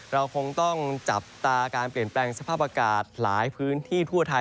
เราคงต้องจับตาการเปลี่ยนแปลงสภาพอากาศหลายพื้นที่ทั่วไทย